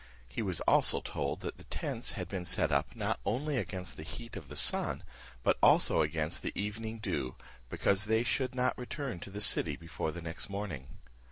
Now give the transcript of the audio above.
He was also told that the tents had been set up not only against the heat of the sun, but also against the evening dew, because they should not return to the city before the next morning.